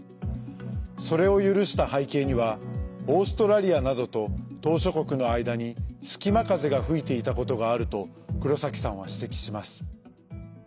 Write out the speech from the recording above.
それを許した背景にはオーストラリアなどと島しょ国の間に隙間風が吹いていたことがあると黒崎さんは指摘します。